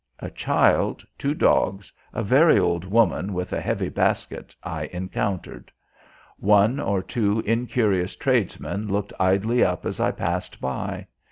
A child, two dogs, a very old woman with a heavy basket I encountered. One or two incurious tradesmen looked idly up as I passed by.